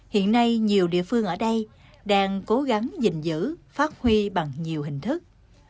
hiện nay nhiều địa phương ở đây đang cố gắng dình dữ phát huy bằng nhiều hình thức